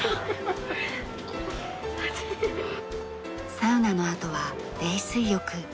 サウナのあとは冷水浴。